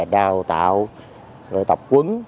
đào tạo rồi tập quấn